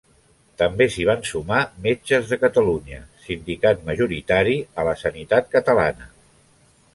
Tampoc s'hi van sumar Metges de Catalunya, sindicat majoritari a la sanitat catalana.